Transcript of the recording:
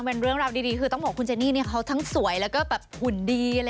มันเรื่องราวดีก็บอกทั้งสวยเรื่องทั้งสวยตัวก็หุ่นดี